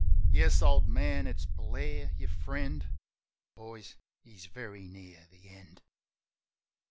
Yes, old man; it's Blair, your friend. .. (Boys, he's very near the end.")